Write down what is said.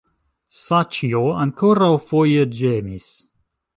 Saĉjo ankoraŭfoje ĝemis.